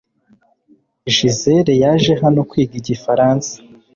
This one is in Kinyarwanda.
Gisele yaje hano kwiga igifaransa .